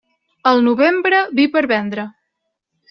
El novembre, vi per vendre.